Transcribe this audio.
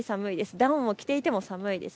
ダウンを着ていても寒いです。